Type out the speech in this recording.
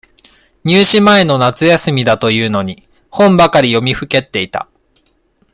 入試前の夏休みだというのに、本ばかり読みふけっていた。